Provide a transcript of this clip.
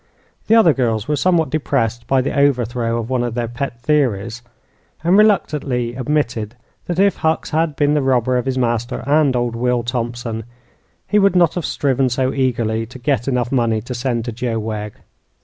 The other girls were somewhat depressed by the overthrow of one of their pet theories, and reluctantly admitted that if Hucks had been the robber of his master and old Will Thompson, he would not have striven so eagerly to get enough money to send to Joe Wegg.